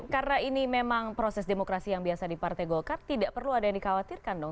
karena ini memang proses demokrasi yang biasa di partai golkar tidak perlu ada yang dikhawatirkan dong